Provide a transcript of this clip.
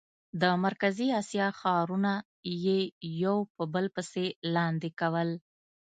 د مرکزي اسیا ښارونه یې یو په بل پسې لاندې کول.